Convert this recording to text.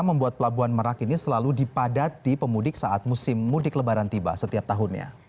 membuat pelabuhan merak ini selalu dipadati pemudik saat musim mudik lebaran tiba setiap tahunnya